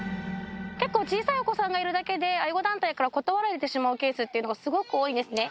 結構小さいお子さんがいるだけで、愛護団体から断れてしまうケースがすごく多いですね。